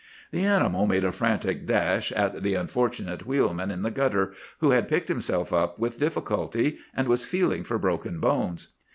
"The animal made a frantic dash at the unfortunate wheelman in the gutter, who had picked himself up with difficulty, and was feeling for broken bones.